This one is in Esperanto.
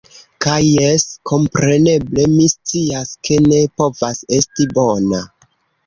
Kaj jes, kompreneble, mi scias, ke ne povas esti bona.